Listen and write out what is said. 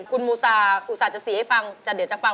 คุณมูซาอุตส่าห์จะสีให้ฟังแต่เดี๋ยวจะฟัง